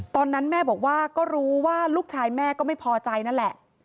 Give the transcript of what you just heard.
ตอนนั้นแม่บอกว่าก็รู้ว่าลูกชายแม่ก็ไม่พอใจนั่นแหละ